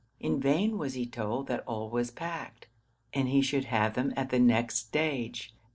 In vain was he told that all was packed, and he should have them at the next stage.